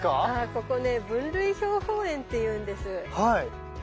ここね分類標本園っていうんです。